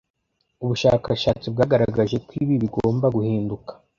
Ubushakashatsi bwagaragaje ko bi bigomba guhinduka.